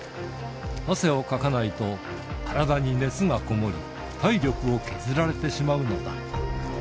汗をかかないと、体に熱がこもり、体力を削られてしまうのだ。